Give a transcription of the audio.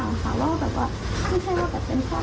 หนูอยากให้เป็นสิทธิของคนอื่นบ้างค่ะ